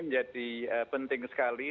menjadi penting sekali